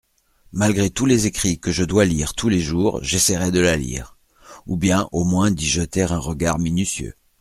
Malgré tous les écrits que je dois lire tous les jours j’essaierai de la lire, ou bien au moins d’y jeter un regard minutieux.